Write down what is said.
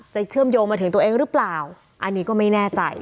เชื่อมโยงมาถึงตัวเองหรือเปล่าอันนี้ก็ไม่แน่ใจ